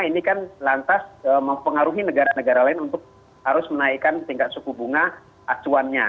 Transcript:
ini kan lantas mempengaruhi negara negara lain untuk harus menaikkan tingkat suku bunga acuannya